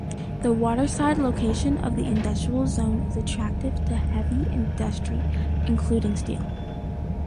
The waterside location of the industrial zone is attractive to heavy industry including steel.